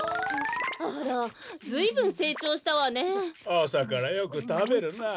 あさからよくたべるなあ。